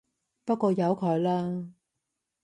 不過由佢啦